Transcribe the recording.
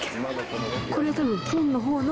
これ多分。